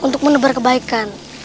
untuk menebar kebaikan